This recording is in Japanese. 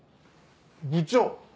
部長！